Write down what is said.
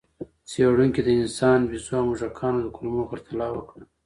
څېړونکي د انسان، بیزو او موږکانو کولمو پرتله وکړه.